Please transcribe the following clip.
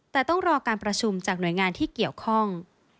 แต่ต้องรอการประชุมจากหน่วยงานที่เกี่ยวข้อง